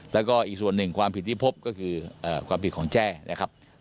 แล้วก็อีกส่วนหนึ่งความผิดที่พบก็คือความผิดของแจ้นะครับ